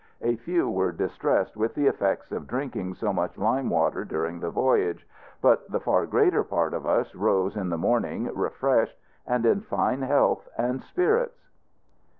A few were distressed with the effects of drinking so much lime water during the voyage; but the far greater part of us rose in the morning refreshed, and in fine health and spirits.